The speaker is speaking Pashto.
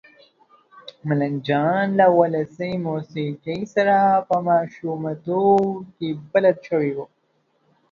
ملنګ جان له ولسي موسېقۍ سره په ماشومتوب کې بلد شوی و.